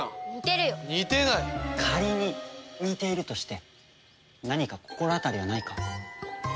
仮に似ているとして何か心当たりはないか？